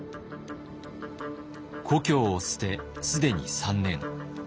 「故郷を捨て既に３年。